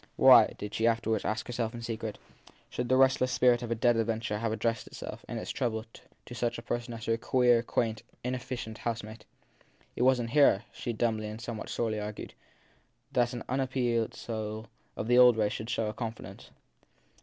Why, she afterwards asked herself in secret, should the restless spirit of a dead adventurer have addressed itself, in its trouble, to such a person as her queer, quaint, inefficient housemate ? It was in her, she dumbly and somewhat sorely argued, that an unappeased soul of the old race should show a confidence.